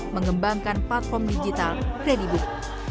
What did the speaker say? mengembangkan platform digital kredibook